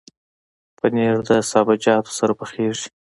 پنېر د سابهجاتو سره پخېږي.